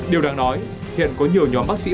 điều đáng nói hiện có nhiều nhóm bác sĩ